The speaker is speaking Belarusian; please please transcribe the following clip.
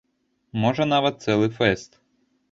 Можа, нават цэлы фэст.